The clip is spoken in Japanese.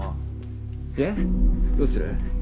でどうする？